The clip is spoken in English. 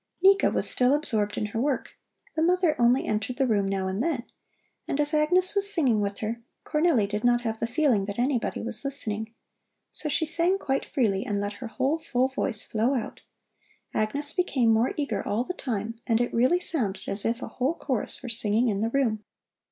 Nika was still absorbed in her work, the mother only entered the room now and then, and as Agnes was singing with her, Cornelli did not have the feeling that anybody was listening. So she sang quite freely and let her whole, full voice flow out. Agnes became more eager all the time, and it really sounded as if a whole chorus were singing in the room.